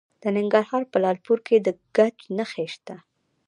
د ننګرهار په لعل پورې کې د ګچ نښې شته.